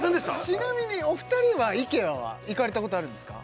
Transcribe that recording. ちなみにお二人はイケアは行かれたことあるんですか？